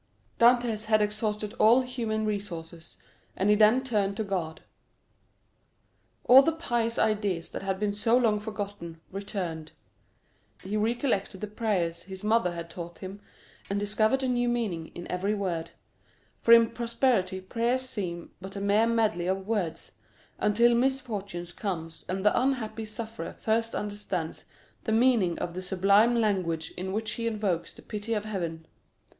Dantès had exhausted all human resources, and he then turned to God. All the pious ideas that had been so long forgotten, returned; he recollected the prayers his mother had taught him, and discovered a new meaning in every word; for in prosperity prayers seem but a mere medley of words, until misfortune comes and the unhappy sufferer first understands the meaning of the sublime language in which he invokes the pity of heaven!